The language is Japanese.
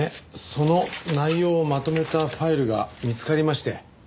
その内容をまとめたファイルが見つかりまして。